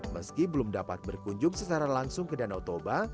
meski belum dapat berkunjung secara langsung ke danau toba